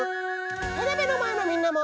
テレビのまえのみんなも。